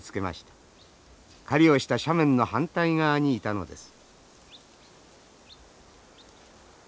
狩りをした斜面の反対側にいたのです。